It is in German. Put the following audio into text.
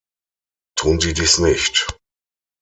Tun Sie dies nicht.